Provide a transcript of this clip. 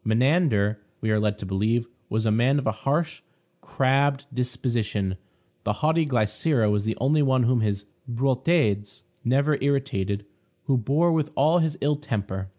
Menander, we are led to believe, was a man of a harsh, crabbed disposition; the haughty Glycera was the only one whom his boutades never irritated, who bore with all his ill temper.